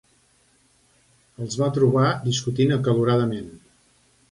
Els va trobar discutint acaloradament.